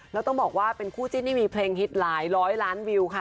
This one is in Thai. แล้วต้องบอกว่าเป็นคู่จิ้นที่มีเพลงฮิตหลายร้อยล้านวิวค่ะ